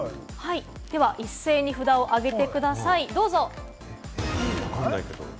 一斉に札を上げてください、どうぞ。